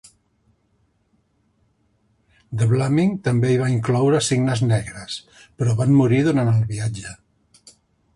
De Vlamingh també hi va incloure cignes negres, però van morir durant el viatge.